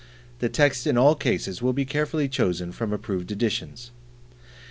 The texts in all cases will be carefully chosen from approved editions.